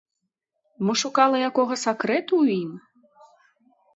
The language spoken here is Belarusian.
Мо шукала якога сакрэту ў ім?